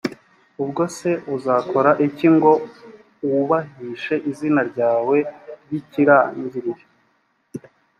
ubwo se uzakora iki ngo wubahishe izina ryawe ry’ikirangirire?